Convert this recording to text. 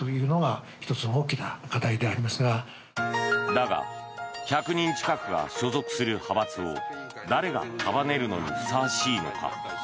だが１００人近くが所属する派閥を誰が束ねるのにふさわしいのか。